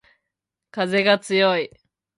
かぜがつよい